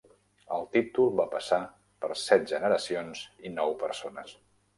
El títol va passar per set generacions i nou persones.